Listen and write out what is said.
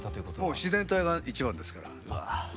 もう自然体が一番ですから。